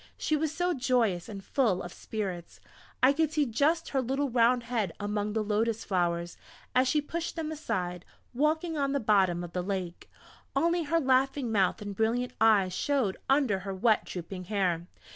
She was so joyous and full of spirits! I could see just her little round head among the lotus flowers, as she pushed them aside, walking on the bottom of the lake; only her laughing mouth and brilliant eyes showed under her wet drooping hair.